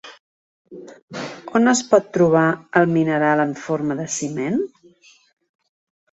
On es pot trobar el mineral en forma de ciment?